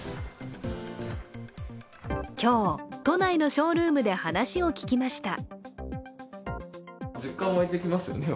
今日、都内のショールームで話を聞きました。